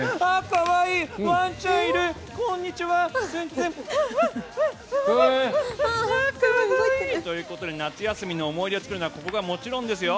可愛い！ということで夏休みの思い出を作るのはここがもちろんですよ。